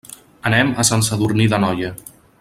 Anem a Sant Sadurní d'Anoia.